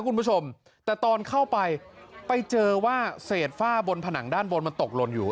คุณผู้ชมแต่ตอนเข้าไปไปเจอว่าเศษฝ้าบนผนังด้านบนมันตกหล่นอยู่